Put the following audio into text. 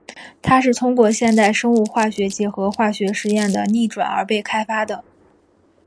它是通过现代生物化学结合化学实验的逆转而被开发的。